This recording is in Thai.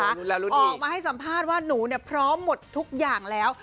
ออกมาให้สัมภาษณ์ว่าหนูเนี่ยพร้อมหมดทุกอย่างแล้ว